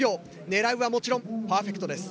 狙うはもちろんパーフェクトです。